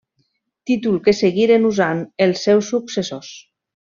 Títol que seguiren usant els seus successors.